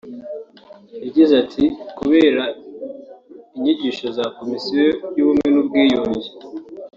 yagize ati ”kubera inyigisho za Komisiyo y’Ubumwe n’Ubwiyunge